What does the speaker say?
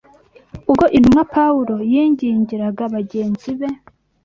Ubwo intumwa Pawulo yingingiraga bagenzi be